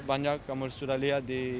banyak kamu sudah lihat di